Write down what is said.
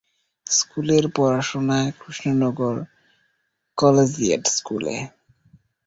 স্কুলের পড়াশোনা কৃষ্ণনগর কলেজিয়েট স্কুলে।